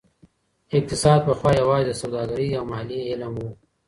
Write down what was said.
اقتصاد پخوا يوازي د سوداګرۍ او ماليې علم و.